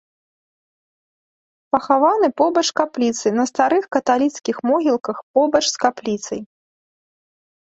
Пахаваны побач капліцы на старых каталіцкіх могілках побач з капліцай.